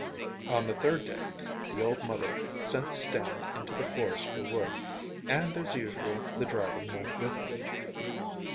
On the third day the old mother sent Stan into the forest for wood, and, as usual, the dragon went with him.